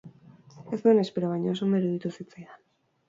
Ez nuen espero, baina oso ondo iruditu zitzaidan.